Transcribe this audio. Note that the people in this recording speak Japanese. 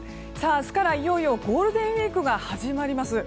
明日からいよいよゴールデンウィークが始まります。